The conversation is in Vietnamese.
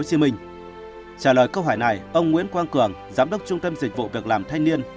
trả lời câu hỏi này ông nguyễn quang cường giám đốc trung tâm dịch vụ việc làm thanh niên